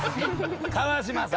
川島さん！